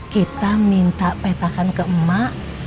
kita minta petakan ke emak